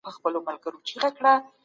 کله چې انسان بل ته لاس نه نیسي لوړ وي.